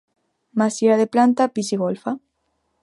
Masia de planta, pis i golfa.